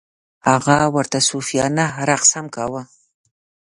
هغه ورته صوفیانه رقص هم کاوه.